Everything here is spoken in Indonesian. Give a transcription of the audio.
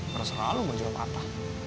terserah lo mau jawab apa